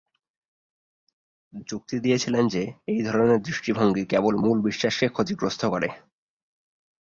যুক্তি দিয়েছিল যে, এই ধরনের দৃষ্টিভঙ্গি কেবল মুল বিশ্বাসকে ক্ষতিগ্রস্ত করে।